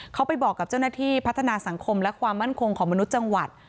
เขาไปบอกกับเจ้าหน้าที่พัฒนาสังคมและความมั่นคงของมนุษย์จังหวัด